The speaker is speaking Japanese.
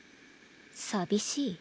寂しい？